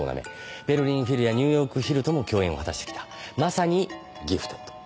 ベルリンフィルやニューヨークフィルとも共演を果たしてきたまさにギフテッド。